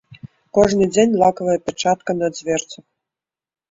Кожны дзень лакавая пячатка на дзверцах.